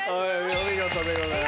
お見事でございます。